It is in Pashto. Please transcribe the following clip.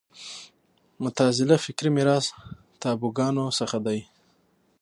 معتزله فکري میراث تابوګانو څخه دی